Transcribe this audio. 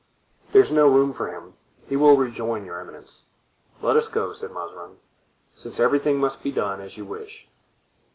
"There is no room for him, he will rejoin your eminence." "Let us go," said Mazarin, "since everything must be done as you wish."